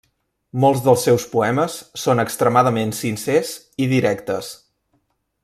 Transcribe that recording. Molts dels seus poemes són extremadament sincers i directes.